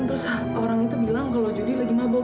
terus orang itu bilang kalau judi lagi mabuk